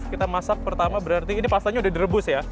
kita masak pertama berarti ini pastanya udah direbus ya